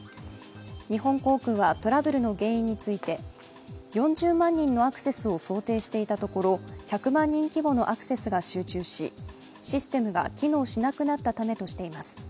日本航空はトラブルの原因について４０万人のアクセスを想定していたところ１００万人規模のアクセスが集中しシステムが機能しなくなったためとしています。